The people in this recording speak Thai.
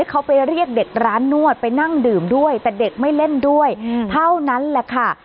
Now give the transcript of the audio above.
เขาไปเรียกเด็กร้านนวดไปนั่งดื่มด้วยแต่เด็กไม่เล่นด้วยเท่านั้นแหละค่ะ